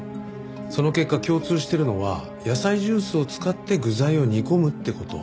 その結果共通してるのは野菜ジュースを使って具材を煮込むって事。